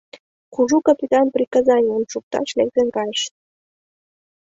Кужу капитан приказанийым шукташ лектын кайыш.